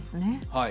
はい。